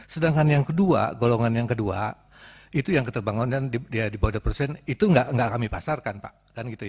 sedangkan yang kedua golongan yang kedua itu yang keterbangunan dia dibawah dua puluh persen itu nggak kami pasarkan